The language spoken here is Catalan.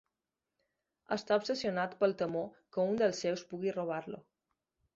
Està obsessionat pel temor que un dels seus pugui robar-lo.